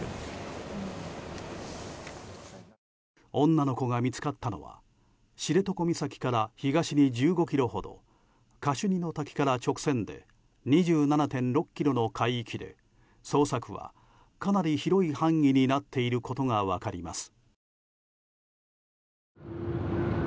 女の子が見つかったのは知床岬から東に１５ｋｍほどカシュニの滝から直線で２７．６ｋｍの海域で捜索はかなり広い範囲になっていることが分かります。